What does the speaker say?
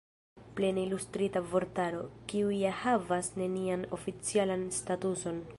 Plena Ilustrita Vortaro, kiu ja havas nenian oficialan statuson!